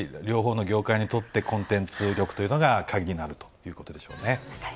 両方の業界にとってコンテンツ力というのが鍵になるということでしょうね。